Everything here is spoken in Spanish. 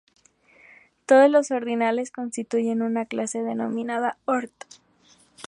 Todos los ordinales constituyen una clase, denominada Ord.